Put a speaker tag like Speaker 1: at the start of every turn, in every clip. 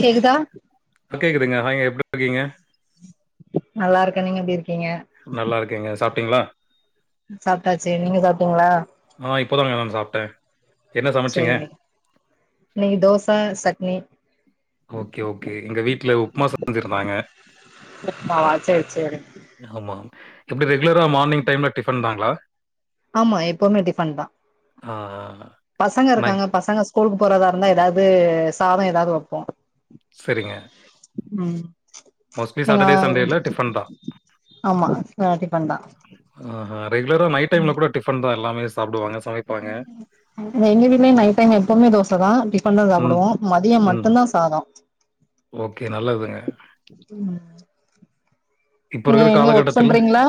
Speaker 1: கேக்குதா
Speaker 2: கேக்குதுங்க ஹய் எப்டி இருக்கீங்க
Speaker 1: நல்லா இருக்கே நீங்க எப்டி இருக்கீங்க
Speaker 2: நல்லா இருக்கேங்க சாப்ட்டீங்ளா
Speaker 1: சாப்ட்டாச்சு நீங்க சாப்ட்டீங்ளா
Speaker 2: ஆ இப்பதாங்க நா வந்து சாப்ட்டே
Speaker 1: சேரி இன்னைக்கு தோச சட்னி
Speaker 2: ஓகே ஓகே எங்க வீட்ல உப்புமா செஞ்சிருந்தாங்க
Speaker 1: உப்மாவா சேரி சேரி
Speaker 2: ஆமா எப்டி ரெகுலரா மார்னிங் டைம்ல டிபன்தாங்ளா
Speaker 1: ஆமா எப்போமே டிபன் தா
Speaker 2: ஆ
Speaker 1: பசங்க
Speaker 2: நை
Speaker 1: இருக்காங்க பசங்க ஸ்கூலுக்கு போறதா இருந்தா எதாவுது சாதோ எதாவுது வப்போ
Speaker 2: சரிங்க
Speaker 1: ம்
Speaker 2: மோஸ்ட்லி
Speaker 1: நீங்க
Speaker 2: சாட்டர்டே, சண்டேல டிஃபன் தான்.
Speaker 1: ஆமா ஒரே டிபன் தா
Speaker 2: ஆஹா ரெகுலரா நைட் டைம்ல கூட டிபன் தா எல்லாமே சாப்டுவாங்க சமைப்பாங்க
Speaker 1: எங்க வீட்லேயு நைட் டைம் எப்பவுமே தோச தா டிபன் தா
Speaker 2: ம்,
Speaker 1: சாப்புடுவோ மதியோ
Speaker 2: ம்.
Speaker 1: மட்டு தா சாதோ
Speaker 2: ஓகே நல்லதுங்க
Speaker 1: ம்
Speaker 2: இப்ப இருக்குற
Speaker 1: ஒர்க்
Speaker 2: காலகட்டத்துல
Speaker 1: பண்றீங்களா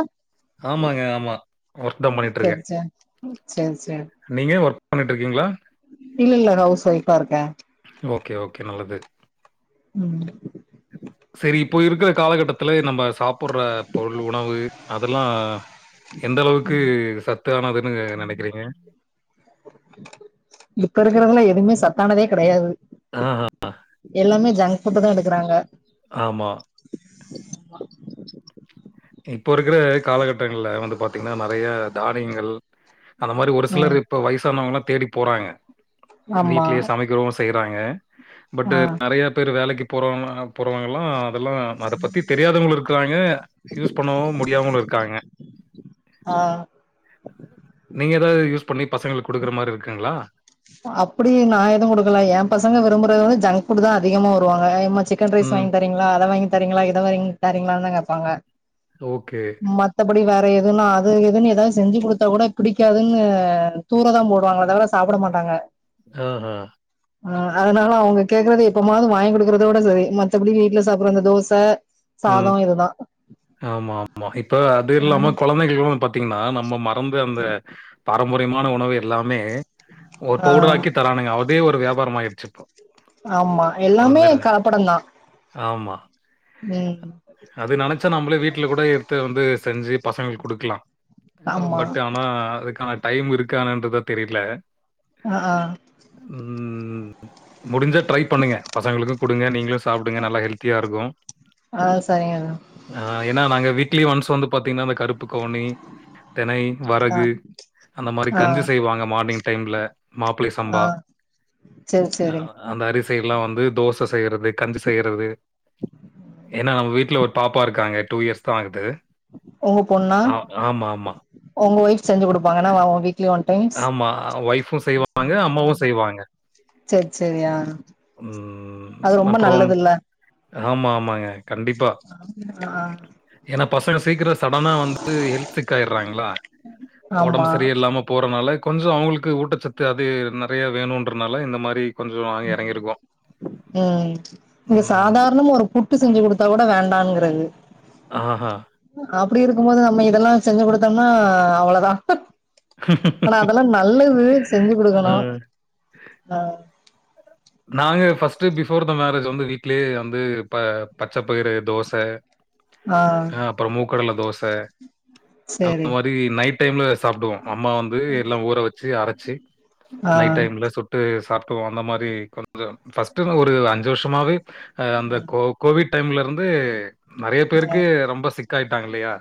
Speaker 2: ஆமாங்க ஆமா ஒர்க் தா பண்ணிட் இர்க்க
Speaker 1: சேரி சேரி சேரி சேரி
Speaker 2: நீங்க ஒர்க் பண்ணிட் இருக்கீங்ளா
Speaker 1: இல்ல இல்ல ஹவுஸ் வைஃப் ஆ இருக்க
Speaker 2: ஓகே ஓகே நல்லது
Speaker 1: ம்
Speaker 2: செரி இப்போ இருக்குற காலகட்டத்துல நம்ம சாப் புட்ற பொருள் உணவு அதெல்லா எந்த அளவுக்கு சத்து தனாதுனுகு நினைக்கிறீங்க
Speaker 1: இப்ப இருக்குறதுல எதுமே சத்தானதே கெடயாது
Speaker 2: ஆஹ ஆஹ
Speaker 1: எல்லாமே ஜங்க்ஃபுட் தா எடுக்குறாங்க
Speaker 2: ஆமா இப்போ இருக்குற காலகட்டங்கல வந்து பாத்தீங்கனா நெறய தானியங்கள் அந்த மாரி ஒரு சிலர்
Speaker 1: ம்
Speaker 2: இப்ப வயசானவங்கெலா தேடி போறாங்க
Speaker 1: ஆமா
Speaker 2: வீட்லேயே சமைக்கிறவ்ங் செய்றாங்க பட்
Speaker 1: ஆ
Speaker 2: நெறைய பேரு வேலைக்கி போறவாங்க போறவங்கெலா அதெல்லா அத பத்தி தெரியாதவங்க இருக்குராங்க யூஸ் பண்ணவு முடியாமளு இருக்காங்க
Speaker 1: ஆ
Speaker 2: நீங்க ஏதாவ்து யூஸ் பண்ணி பசங்களுக்கு கொடுக்குற மாரி இருக்குங்லா
Speaker 1: அப்டி நா எதுவு குடுக்கல எ பசங்க விரும்புறது வந்து ஜங்ஃபுட் தா அதிகமா வருவாங்க ஏமா சிக் சிக்கன் ரைஸ்
Speaker 2: ம்.
Speaker 1: வாங்கி தரீங்களா அத வாங்கி தரீங்களா இத வாங்கி தரீங்களானு தா கேப்பாங்க
Speaker 2: ஓகே.
Speaker 1: மத்தப்படி வேற எதுன்னா அது எதுன்னு ஏதாவ்து செஞ்சு கொடுத்தா கூட புடிக்காதுன்னு அ தூரதா போடுவாங்களே தவிர சாப்பிட மாட்
Speaker 2: ஓஹோ
Speaker 1: ஆ அதனால அவங்க கேக்குறதா எப்பமாவ்து வாங்கி கொடுக்குறதோட செரி மத்தபடி வீட்டுல சாப்பிற அந்த தோச
Speaker 2: ம்
Speaker 1: சாதோ இதுதா
Speaker 2: ஆமா ஆமா இப்ப அது இல்லாம குழந்தைகளுக்கு வது பாத்தீங்கனா நம்ம ம ந்து அந்த பரம்பரியமான உணவு எல்லாமே ஒரு
Speaker 1: ஆ
Speaker 2: பவுடர் ஆக்கி தரானுங்க அதே ஒரு வியாபாரமா யிட்ச்சு இப்போ
Speaker 1: ஆமா எல்லாமே
Speaker 2: அந்த
Speaker 1: கலப்படந் தா
Speaker 2: ஆமா.
Speaker 1: ம்
Speaker 2: அது நினச்சா நம்மளே வீட்டுல கூட எடுத்து வந்து செஞ்சு பசங்களுக்கு கொடுக்லா
Speaker 1: ஆமா
Speaker 2: பட் அவ்ங் ம அதுக்கான டைம் இருக்கானன்றது தெரியல
Speaker 1: ஆஹ் ஆஹ்
Speaker 2: ம் முடுஞ்சா ட்ரை பண்ணுங்க பசங்களுக்கு கொடுங்க நீங்களு சாப் சாப்டுங்க நல்லா ஹெல்த்தியா இருக்கு
Speaker 1: ஆஷயா
Speaker 2: ஆ ஏன்னா நாங்க வீக்கிலி ஒன்ஸ் வந்து பாத்தீங்ன்னா அந்த கருப்புக்கவுனி தினை
Speaker 1: ஆ
Speaker 2: வரகு அந்த மாரி
Speaker 1: ஆ
Speaker 2: கஞ்சி செய்வாங்க மார்னிங் டைம்ல மாப்பிள்னை சம்பா
Speaker 1: செர்
Speaker 2: அ
Speaker 1: சேரி
Speaker 2: அந்த அரிசியொல்லா வந்து தோச செய்யுறது கஞ்சி செய்யுறது ஏன்னா நம்ம வீட்டுல ஒரு பாப்பா இருக்காங்க டூ இயர்ஸ் தா ஆக்து
Speaker 1: ஒங்க பொண்ணா
Speaker 2: தா ஆமாமா
Speaker 1: உங்க ஒய்ப் செஞ்சு கொடுப்பாங்க இன்ன வீக்கிலி ஒன் டைம்ஸ்
Speaker 2: ஆமா ஒஃப்பூ செய்வா வாங்க அம்மாவு செய்வாங்க
Speaker 1: சேரி சேரியா அது
Speaker 2: ம்.
Speaker 1: ரொம்ப
Speaker 2: அப்புறம்
Speaker 1: நல்லதுங்ள
Speaker 2: ஆமா ஆமாங்க கண்டிப்பா
Speaker 1: ஆ
Speaker 2: ஏனா பசங்க சீக்கரோ சடான வந்து ஹெல்த்துசிக் ஆயிடுறாங்காள ஒடம்பு
Speaker 1: ஆமா
Speaker 2: சரி இல்லாமப் போறனால கொஞ்சோ அவ்ங்களுக்கு ஊட்டச்சத்து அது நெறைய வேணுன்றனால இந்த மாரி கொஞ்சம் நாங்க இறங்கியிருக்கோம்.
Speaker 1: ம் இங்க
Speaker 2: ம்.
Speaker 1: சாதாரணமு இருக்கு ட்டு செஞ்சு கொடுத்த கூட வேண்டாங்கிறது.
Speaker 2: ஆஹ.
Speaker 1: அப்டி இருக்கும் மோது நம்ம இதெல்லாம் செஞ்சு கொடுத்தோம்னா அவ்வளோதான் இப்பனா நா அதலாம் நல்லது செஞ்சு
Speaker 2: அ
Speaker 1: கொடுக்கணும் அ
Speaker 2: நாங்க ஃபஸ்ட்டு பிஃபோர் மேரேஜ் வந்து வீட்லயே வந்து ப... பச்சை பயிறு தோச
Speaker 1: ஆ
Speaker 2: அ அப்புறோம் மூக்கடல தோச
Speaker 1: சேரி
Speaker 2: அந்த மாரி நைட் டைம்ல சாப்பிடுவோம் அம்மா வந்து எல்லாம் ஊற வச்சு அரைச்சு
Speaker 1: ஆ
Speaker 2: நைட் டைம்ல சுட்டு சாப்ட்டுவோம் அந்த மாரி கொஞ்சோ ஃபஸ்ட்டு அந்த ஒரு அஞ்சு வருஷமாவே அந்த கோ கோவிட் டைம்ல இருந்து நறைய
Speaker 1: ஆ
Speaker 2: பேருக்கு ரொம்ப சிக்காயிட்டாங்க இல்லயா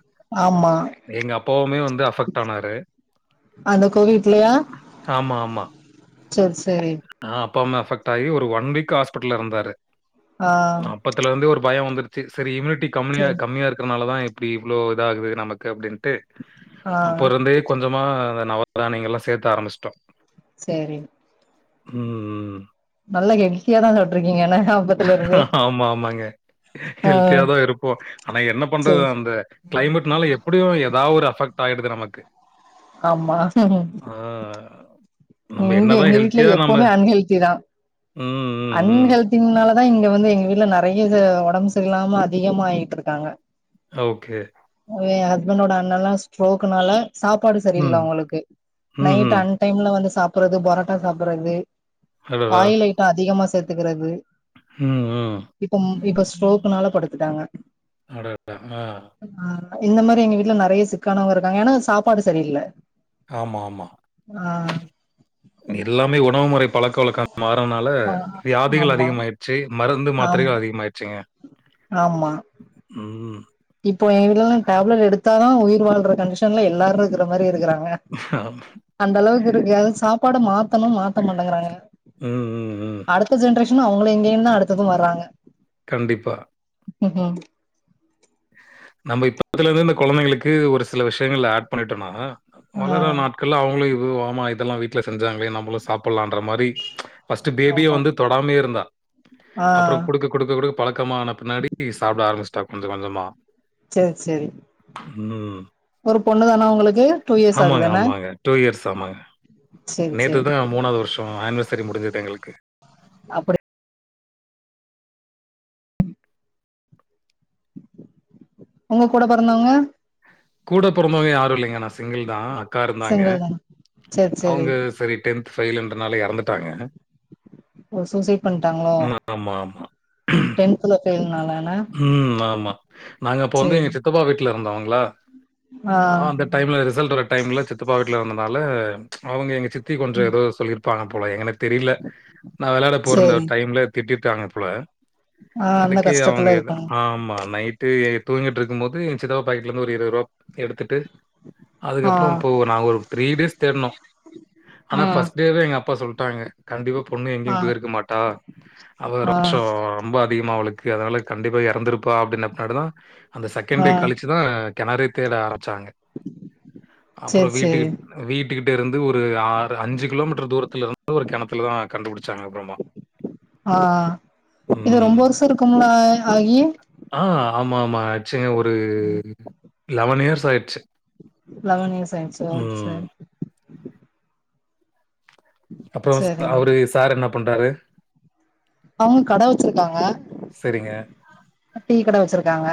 Speaker 1: ஆமா
Speaker 2: எங்க அப்பாவுமே வந்து அஃவெக்ட் ஆனாரு
Speaker 1: கோ வீட்லயா
Speaker 2: ஆமா ஆமா
Speaker 1: செரி செரி
Speaker 2: ஆ அப்பா அம்மா அஃவெக்ட் ஆகி ஒரு ஒன் வீக் ஹாஸ்பிட்டல்ல இருந்தாரு
Speaker 1: ஆ
Speaker 2: அப்பத்துலருந்தே ஒரு பயம் வந்துருச்சு சரி இம்யூனிட்டி கம்மியா
Speaker 1: செரி
Speaker 2: கம்மியா இருக்கிறனால தா இப் அப்டி இவ்ளோ இதாகுது நமக்கு அப்டின்ட்டு
Speaker 1: ஆ
Speaker 2: அப்பருந்தே கொஞ்சமா அந்த நவதானியங்கல்லா சேத்த ஆரம்பிச்சுட்டோ
Speaker 1: செரி
Speaker 2: ம்
Speaker 1: நல்லா யெல்த்தியா தான் சாப்டீருக்கீங்க ஆனா ஆப்பத்துல இருந்து
Speaker 2: ஆமா ஆமாங்க
Speaker 1: ஆ
Speaker 2: ஹெல்த்தியாதா இருப்போ ஆனா என்ன பண்றது
Speaker 1: செரி
Speaker 2: அந்த க்ளைமேட்னால எப்டியும் ஏதாது ஒரு அஃவீஎக்ட் ஆயிடுது நமக்கு
Speaker 1: ஆமா
Speaker 2: ஆ நம்ம
Speaker 1: இங்க
Speaker 2: என்னதான்
Speaker 1: எங்க வீட்டு்ல
Speaker 2: ஹெல்த்தியா நம்ம
Speaker 1: எப்போமே அன்ஹெல்தி தான்
Speaker 2: ம், ம், ம்.
Speaker 1: அன்ஹெல் திங்னாலதான் இங்க வந்து எங்க வீட்ல நறைய இது ஒடம்பு சரி இல்லாம அதிகமா ஆகிட்டு இருக்காங்க
Speaker 2: ஓகே
Speaker 1: ஏன் ஹஸ்பண்டோட அண்ணல்லாம் ஸ்ட்ரோக்னால சாப்பாடு
Speaker 2: ம்,
Speaker 1: சரியில்ல அவுங்களுக்கு நைட்டு
Speaker 2: ம்ஹ்ம்.
Speaker 1: அன் டைம்ல வந்து சாப்பறது பரோட்டா சாப்பட்றது
Speaker 2: அடடா!
Speaker 1: ஆயில் ஐட்டம் அதிகமா சேத்துக்குறது
Speaker 2: ம் ம்
Speaker 1: இப்ப ம் இப்ப ஸ்ட்ரோக்னால படுத்துட்டாங்க
Speaker 2: அட ஆ
Speaker 1: ஆ இந்த மாரி எங்க வீட்ல நறைய சிக்கானவங்க இருக்காங்க ஏன்னா சாப்பாடு சரியில்ல
Speaker 2: ஆமா ஆமா
Speaker 1: ஆ
Speaker 2: எல்லாமே உணவு மொறை பழக்க வழக்கம் மாறனால
Speaker 1: ஆ
Speaker 2: வியாதிகள்
Speaker 1: ஆமா
Speaker 2: அதிகமாயி ச்சு மருந்து
Speaker 1: ஆமா
Speaker 2: மாத்திரைக அதிகமாயிருச்சுங்க
Speaker 1: ஆமா
Speaker 2: ம்
Speaker 1: இப்போ என் வீட்லல்லா டப்லெட் எடுத்தா தான் உயிர் வாழ்ற கண்டிஷன்ல எல்லாரும் இருக்கிற மாரி இருக்கறாங்க
Speaker 2: ஆ
Speaker 1: அந்த அளவுக்கு இருக்கு அது சாப்பாடு மாத்தணு மாத்த மாட்டங்குறாங்க
Speaker 2: ம் ம் ம்.
Speaker 1: அடுத்த ஜென்ரேஷனு அவுங்கள எங்கேன்னு தான் அடுத்ததும் வர்றாங்க
Speaker 2: கண்டிப்பா
Speaker 1: ம் ஹும்
Speaker 2: நம்ம இப்பத்துல இருந்து இந்த கொழந்தைங்களுக்கு ஒரு சில விஷயங்கள் ஆட் பண்ணிட்டன்னா
Speaker 1: ஆ
Speaker 2: வளர நாட் கல்ல அவங்களே இதுவு ஆமா இதெல்லா வீட்டுல செஞ்சாங்களே நம்மளு சாப்பிட்லான்ற மாரி ஃபஸ்ட்டு பேபிய
Speaker 1: ஆமா
Speaker 2: வந்து தொடாமே இருந்தா
Speaker 1: ஆ
Speaker 2: அப்பறோ குடுக்க குடுக்க குடுக்க பழக்கமான பின்னாடி சாப்ட ஆரம்பிஸ்ட்டா கொஞ்ச கொஞ்ச மா
Speaker 1: சேரி சரி
Speaker 2: ம்
Speaker 1: ஒரு பொண்ணு தானா உங்களுக்கு டூ இயர்ஸ் ஆகுது என்ன
Speaker 2: டூ இயர்ஸ் ஆமங்க நேத்து
Speaker 1: சேரி
Speaker 2: தா மூணாவது வருஷோ ஆனிவர்சரி முடிஞ்சது எங்களுக்கு
Speaker 1: அப்படி உங்க கூட பெறந்தவங்க
Speaker 2: கூட பொறந்தவங்க யாரு இல்லைங்க நா சிங்கிள் தா. அக்கா இருந்தாங்க,
Speaker 1: சிங்கிள் தானா சேரி சேரி
Speaker 2: அவங்க சரி. டென்த் ஃபெயிலுன்றனால எறந்துட்டாங்க.
Speaker 1: ஓ சூசைட் பண்ட்டாங்களோ,
Speaker 2: ம். ஆமா, ஆமா.
Speaker 1: டென்த்ல ஃபெயில் நால
Speaker 2: ம் ஆமா நாங்க அப்ப வந்து
Speaker 1: சேரி
Speaker 2: எங்க சித்தப்பா வீட்டுல இருந்தோங்கள,
Speaker 1: ஆ
Speaker 2: அந்த டைம்ல ரிசல்ட் வர டைம்ல சித்தப்பா வீட்ல இருந்தனால, அவங்க எங்க சித்தி கொஞ்ச ஏதோ சொல்லி இரு ப்பாங்க போல எங்கன்ன தெரியில நா வெளையாட போறுந்த
Speaker 1: சேரி
Speaker 2: டைம்ல திட்டிடாக்க இருக்காங்க போல
Speaker 1: ஆ அந்த
Speaker 2: அதுக்கே அவங்
Speaker 1: கஷ்டத்துல இருக்காங்க
Speaker 2: ஆம்மா நைட்டு ஏ தூங்கிட்டு இருக்கும் போது, ஏ சித்தப்பா பாக்கெட்ல இருந்து ஒரு இருவது ரூபா எடுத்துட்டு,
Speaker 1: ஆ
Speaker 2: அதுக்கப்புறோ இப்போ நாங்க ஒரு த்ரீ டேஸ் தேடுனோ ஆனா
Speaker 1: ஆ
Speaker 2: ஃபஸ்ட் டே வே எங்க அப்பா சொல்ட்டாங்க, கண்டிப்பா பொண்ணு
Speaker 1: ஆ
Speaker 2: எங்கேயு போயிருக்க மாட்டா. அவ
Speaker 1: ஆ
Speaker 2: ரொஷோ ரொம்ப அதிகமா அவளுக்கு அதனால கண்டிப்பா எறந்திருப்பா அப்டின்னபாடு தா அந்த செகண்
Speaker 1: ஆ
Speaker 2: டே கலி ச்சுதா கெணறே தேட ஆரம்பிச்சாங்க. அப்புறோ
Speaker 1: சேரி
Speaker 2: வீட்டுக்கு
Speaker 1: சேரி
Speaker 2: வீட்டுக்கிட்ட இருந்து ஒரு ஆறு அஞ்சு கிலோமீட்டர் தூரத்துல இருந்து ஒரு கெணத்துல தா கண்டுபுடிச்சாங்க அப்புறமா.
Speaker 1: ஆ இது ரொம்ப
Speaker 2: ம்.
Speaker 1: வருஷ இருக்கும்ல ஆகி
Speaker 2: ஆ ஆமா ஆமா ஆச்சுங்க. ஒரு லெவன் இயர்ஸ் ஆய்டுச்சு.
Speaker 1: லெவன் இயர்ஸ் ஆயிடுச்சா, சரி.
Speaker 2: அப்புறோ
Speaker 1: சேரிங்க
Speaker 2: அவரு சார் என்ன பண்றாரு.
Speaker 1: அவங்க கட வெச்சிருக்காங்க.
Speaker 2: சரிங்க
Speaker 1: டீ கட வெச்சிருக்காங்க.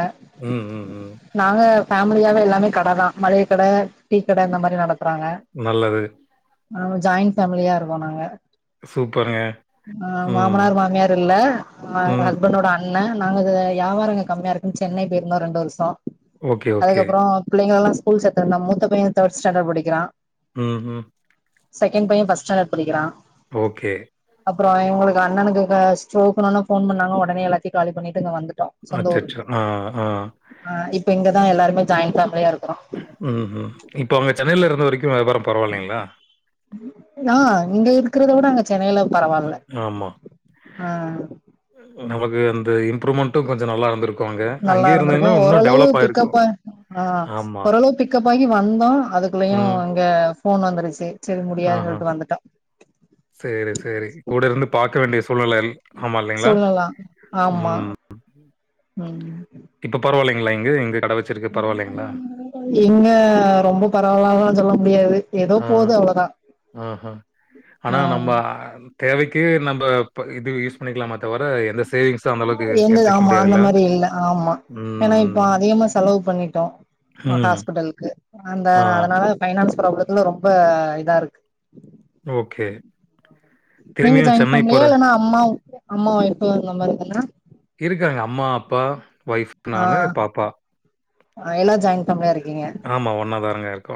Speaker 2: ம், ம், ம்.
Speaker 1: நாங்க ஃபேமிலியாவே, எல்லாமே கட தா. மள்ளிக கட டீ கட இந்த மாரி நடக் த்ராங்ங
Speaker 2: நல்லது.
Speaker 1: ஜாயிண்ட் ஃபேமிலியா இருக்கோ நாங்க.
Speaker 2: சூப்பருங்க
Speaker 1: ஆ
Speaker 2: ம்,
Speaker 1: மாமனார் மாமியார் இல்ல, அ
Speaker 2: ம்.
Speaker 1: ஹஸ்பண்டோட அண் ணே, நாங்க அது வியாபார இங்க கம்மியா இருக்குன்னு, சென்னை போயிருந்தோ ரெண்டு வருஷ
Speaker 2: ஓகே, ஓகே.
Speaker 1: அதுக்கப்புறோ புள்ளைங்கள எல்லா ஸ்கூல் சேத்துருந்தோ, மூத்த பைய தேர்ட் ஸ்டாண்டர்ட் படிக்கிறா
Speaker 2: ம் ஹும்.
Speaker 1: செகண்ட் பைய ஃபஸ்ட் ஸ்டாண்டர்ட் படிக்கிறா
Speaker 2: ஓகே
Speaker 1: அப்புறோ இவுங்களுக்கு அண்ணனுக்கு ஸ்ட்ரோக்ணுன்னு ஃபோன் பண்ணாங்க, ஒடனே எல்லாத்தியு காலி பண்ணிட்டு இங்க வந்துட்டோ சொந்த
Speaker 2: அச்சச்சோ
Speaker 1: ஊருக்கு
Speaker 2: ஆ ஆ
Speaker 1: ஆ இப்ப இங்கதா எல்லாருமே ஜாயிண்ட் ஃபேமிலியா இருக்கறோ
Speaker 2: ம் ம் இப்ப அவங்க சென்னையில இருந்த வரைக்கு வியாபாரோ பரவால்லீங்களா
Speaker 1: ஆ இங்க இருக்கறத விட அங்க சென்னையில பரவால்ல
Speaker 2: ம் ஆம்மா
Speaker 1: ஆ
Speaker 2: நமக்கு இந்த இம்ப்ரூவ்மெண்ட்டு கொஞ்சோ நல்லா இருந்துருக்
Speaker 1: நல்லாருந்துருக்கு ஓரளவு பிக்கப் ஆயி ஆ
Speaker 2: ஆமா.
Speaker 1: ஓரளவு பிக்கப் ஆகி வந்தோ அதுக்குள்ளயு
Speaker 2: ம்.
Speaker 1: அங்க போன் வந்துருச்சு சேரி முடியாதுன்னு சொல்ட்டு வந்துட்டோ
Speaker 2: சேரி சேரி கூட இருந்து பாக்க வேண்டிய சூழ்நி
Speaker 1: சொல்லலா ஆமா ம்
Speaker 2: இப்ப பரவாலைங்களா இங்கு இங்கு
Speaker 1: இங்க ரொம்ப பரவால்லலா சொல்ல முடியாது ஏதோ
Speaker 2: ம்
Speaker 1: போது அவ்ளோதா
Speaker 2: ம் ஆனா
Speaker 1: ஆ
Speaker 2: நம்ம தேவைக்கு நம்ம ப இது யூஸ் பண்ணிக்கலாமா தவிர எந்த சேவிங்ஸு அந்தளவுக்கு
Speaker 1: எந்தது
Speaker 2: எடுத்துவைக்க
Speaker 1: ஆமா அந்த
Speaker 2: முடியாதுல்ல
Speaker 1: மாரி இல்ல ஆமா ஏன்னா இப்ப அதிகமா செலவு பண்ணிட்டோ
Speaker 2: ம்.
Speaker 1: ஹாஸ்பிட்டலுக்கு அந்த
Speaker 2: ஆ.
Speaker 1: அதனால பைனான்ஸ் ப்ராப்ளத்துல ரொம்ப இதா இருக்கு
Speaker 2: ஓகே
Speaker 1: நீங்க
Speaker 2: திரும்பியும்
Speaker 1: ஜாயின்
Speaker 2: சென்னை போற
Speaker 1: ஃபேமிலியா இல்னா அம்மா அம்மாவும் இப்ப இருந்த மாதிரி தானா
Speaker 2: இருக்காங்க அம்மா அப்பா ஒய்ஃப் நானு பாப்பா
Speaker 1: ஆ எல்லா ஜாயின் ஃபேமிலியா இருக்கீங்க
Speaker 2: ஆமா ஒன்னாதாரங்க இருக்கோ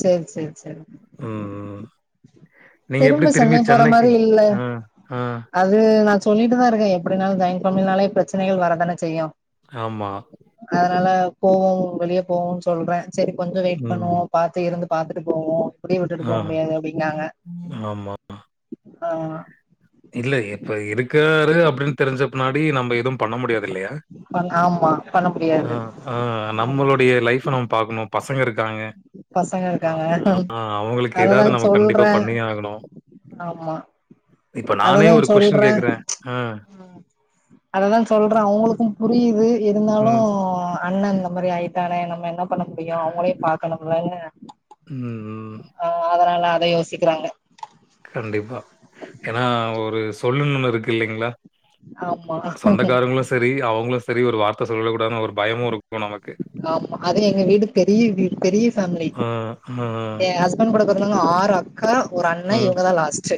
Speaker 1: சேரி சேரி சேரி
Speaker 2: ம் ம் நீங்க எப்டி
Speaker 1: திரும்ப
Speaker 2: திரும்பி
Speaker 1: சென்னை போற
Speaker 2: சென்னைக்கு
Speaker 1: மாரி இல்ல
Speaker 2: ஆ ஆ
Speaker 1: அது நா சொல்லிட்டுதா இருக்கே எப்டினாலு ஜாயின் ஃபேமிலினாலே பிரச்சனைகள் வரதானே செய்யு
Speaker 2: ஆமா
Speaker 1: அதனால போவோ வெளிய போவோன்னு சொல்ற சேரி கொஞ்சோ வெயிட்
Speaker 2: ம்.
Speaker 1: பண்ணுவோ பாத்து இருந்து பாத்துட்டு போவோ இப்டியே விட்டுட்டு
Speaker 2: ஆ.
Speaker 1: போக முடியாது அப்டின்னாங்க
Speaker 2: ஆமா
Speaker 1: ஆ
Speaker 2: இல்ல இப்ப இருக்கராரு அப்டின்னு தெரிஞ்ச பின்னாடி நம்ம எதும் பண்ண முடியாது இல்லையா
Speaker 1: ஆமா பண்ண
Speaker 2: ஆ,
Speaker 1: முடியாது
Speaker 2: ஆ
Speaker 1: ம்
Speaker 2: நம்மளுடைய லைஃப்ப நம்ம பாக்கணு பசங்க இருக்காங்க
Speaker 1: பசங்க
Speaker 2: ஆ
Speaker 1: இருக்காங்க
Speaker 2: ஆ அவங்களுக்கு
Speaker 1: அததா
Speaker 2: ஏதாது நம்ம கண்டிப்பா
Speaker 1: சொல்றே
Speaker 2: பண்ணியே ஆகணு
Speaker 1: ஆமா
Speaker 2: இப்ப நானே
Speaker 1: அததா
Speaker 2: ஒரு கொஸ்டின் கேக்கற
Speaker 1: சொல்றே
Speaker 2: அ
Speaker 1: அததா சொல்ற அவங்களுக்கு புரியுது இருந்தாலு
Speaker 2: ம்,
Speaker 1: அண்ண இந்த மாரி ஆயிட்டானே நம்ம என்ன பண்ண முடியு அவங்களயு பாக்கணும்லன்னு
Speaker 2: ம் ம்
Speaker 1: ஆ அதனால அத யோசிக்கறாங்க
Speaker 2: கண்டிப்பா ஏன்னா ஒரு சொல்லுன்னு ஒன்னு இருக்கில்லிங்களா
Speaker 1: ஆமா
Speaker 2: சொந்தக்காரங்களு சரி அவங்களு சரி ஒரு வார்த்த சொல்லிட கூடாதுன்னு ஒரு பயமு இரு
Speaker 1: ஆமா அது எங்க வீடு பெரிய வீ பெரிய ஃபேமிலி
Speaker 2: ஆ, ஆ, ஆ.
Speaker 1: ஏ ஹஸ் பண்ட் கூட பெறந்தவங்க ஆறு அக்கா ஒரு அண்ணே இவங்கதா லாஸ்ட்டு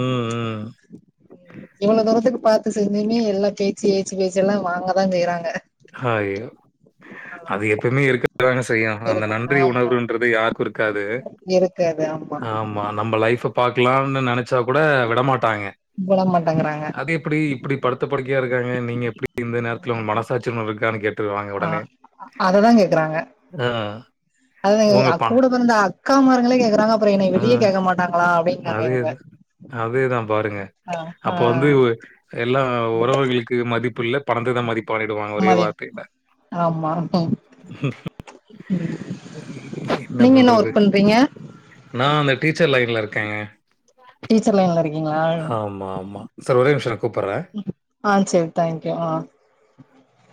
Speaker 2: ம் ம்
Speaker 1: இவ்ளோ தூரத்துக்கு பாத்து செஞ்சுமே எல்லா பேச்சு ஏச்சு பேச்செல்லா வாங்கதா செய்யறாங்க
Speaker 2: ஹாய் அது எப்பயுமே இருக்கதாங்க செய்யு அந்த
Speaker 1: இருக்கு
Speaker 2: நன்றி
Speaker 1: ஆமா
Speaker 2: உணர்வுன்றது யாருக்கு இருக்காது ஆமா நம்ம லைஃப்ப பாக்கலான்னு நெனச்சா கூட விடமாட்டாங்க
Speaker 1: விட மாட்டங்கிறாங்க
Speaker 2: எப்டி இப்டி படுத்த படுக்கையா இருக்காங்க நீங்க எப்டி இந்த நேரத்தில மனசாச்சின்னு ஒன் இருக்கான்னு கேப்
Speaker 1: ஆ அததா கேக்குறாங்க
Speaker 2: ஆ உங்க
Speaker 1: அததா
Speaker 2: பா
Speaker 1: கூட பெறந்த அக் காமார்களே கேக்குறாங்க அப்றோ என்னைய வெளிய கேக்க மாட்
Speaker 2: அதே அதே தா பாருங்க
Speaker 1: ஆ ஆ
Speaker 2: அப்ப வந்து எல்லா உறவுங்களுக்கு மதிப்பு இல்ல பணத்துக்கு தா மதிப்பு ஆனிடுவாங்க ஒரே வார்த்தையில
Speaker 1: ஓகே நீங்க என்ன ஒர்க் பண்றீங்க
Speaker 2: நா அந்த டீச்சர் லைன்ல இருக்கேங்க
Speaker 1: டீச்சர் லைன்ல இருக்கீங்ளா
Speaker 2: ஆமா, ஆமா. சார் ஒரே நிமிஷம் நான் கூப்பட்றேன்.
Speaker 1: ஆ சேரி தேங்க்யூ மா